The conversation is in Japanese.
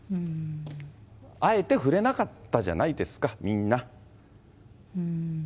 あえて触れなかったじゃないですか、みんな。